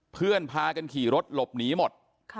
เพื่อนพากันขี่รถหลบหนีหมด